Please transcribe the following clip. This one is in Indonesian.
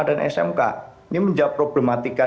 dan smk ini menjawab problematika